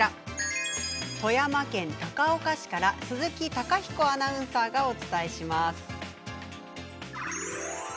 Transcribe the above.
富山県高岡市から鈴木貴彦アナウンサーがお伝えします。